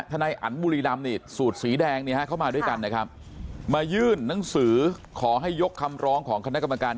นายอันบุรีดำนี่สูตรสีแดงเนี่ยฮะเข้ามาด้วยกันนะครับมายื่นหนังสือขอให้ยกคำร้องของคณะกรรมการ